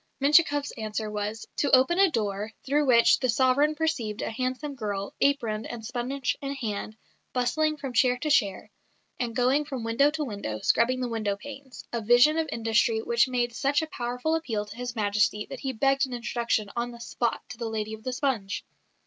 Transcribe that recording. Menshikoff's answer was "to open a door, through which the sovereign perceived a handsome girl, aproned, and sponge in hand, bustling from chair to chair, and going from window to window, scrubbing the window panes" a vision of industry which made such a powerful appeal to His Majesty that he begged an introduction on the spot to the lady of the sponge.